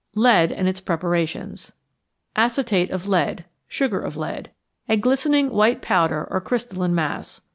LEAD AND ITS PREPARATIONS =Acetate of Lead= (Sugar of Lead). A glistening white powder or crystalline mass.